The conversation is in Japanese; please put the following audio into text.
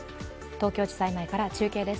東京地裁前から中継です。